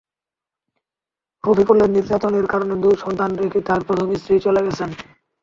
রফিকুলের নির্যাতনের কারণে দুই সন্তান রেখে তাঁর প্রথম স্ত্রী চলে গেছেন।